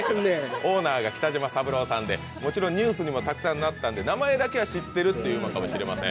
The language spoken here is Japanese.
オーナーが北島三郎さんで、ニュースにもたくさんなったんで、名前だけは知ってる方もいるかもしれません。